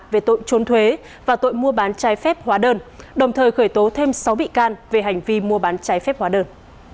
về tội trốn thuế và tội mua bán trái phép hóa đơn đồng thời khởi tố thêm sáu bị can về hành vi mua bán trái phép hóa đơn